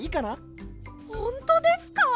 ほんとですか？